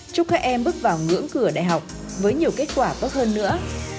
chúc các em bước vào ngưỡng cửa đại học với nhiều kết quả tốt hơn nữa